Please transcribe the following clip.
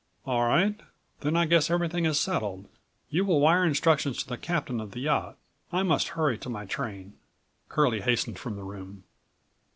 "All right; then I guess everything is settled. You will wire instructions to the captain of the yacht. I must hurry to my train." Curlie hastened from the room.